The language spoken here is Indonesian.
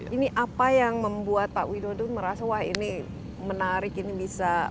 ini apa yang membuat pak widodo merasa wah ini menarik ini bisa